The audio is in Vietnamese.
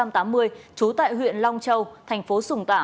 trú tại huyện long châu thành phố sùng tả